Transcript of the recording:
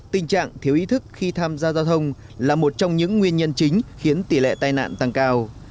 tình trạng thiếu ý thức khi tham gia giao thông là một trong những nguyên nhân chính khiến tỷ lệ tai nạn tăng cao